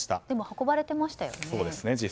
でも運ばれてましたよね。